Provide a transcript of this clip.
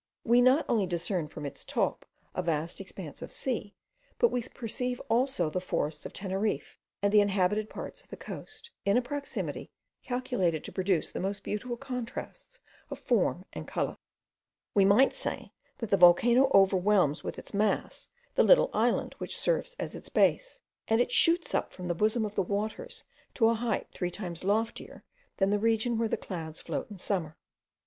We not only discern from its top a vast expanse of sea, but we perceive also the forests of Teneriffe, and the inhabited parts of the coasts, in a proximity calculated to produce the most beautiful contrasts of form and colour. We might say, that the volcano overwhelms with its mass the little island which serves as its base, and it shoots up from the bosom of the waters to a height three times loftier than the region where the clouds float in summer.